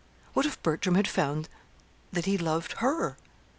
What if Bertram had found that he loved _her?